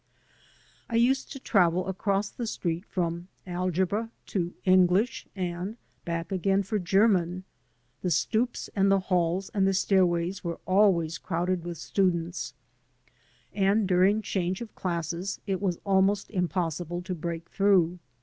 I used to travel across the street from algebra to English, and back again for German. The stoops and the halls and the stairways were always crowded with students, and during change of classes it was almost impossible to break through.